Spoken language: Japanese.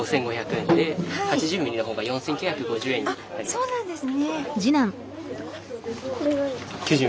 あっそうなんですね。